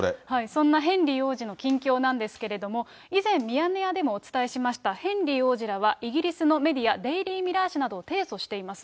そんなヘンリー王子の近況なんですけれども、以前、ミヤネ屋でもお伝えしました、ヘンリー王子らはイギリスのメディア、デイリー・ミラー紙などを提訴しています。